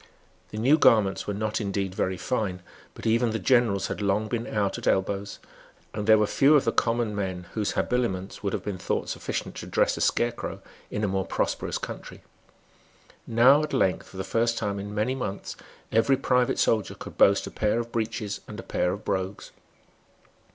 The new garments were not indeed very fine. But even the generals had long been out at elbows; and there were few of the common men whose habiliments would have been thought sufficient to dress a scarecrow in a more prosperous country. Now, at length, for the first time in many months, every private soldier could boast of a pair of breeches and a pair of brogues.